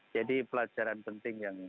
jadi pelajaran penting yang